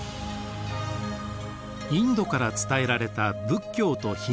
インドから伝えられた仏教とヒンドゥー教。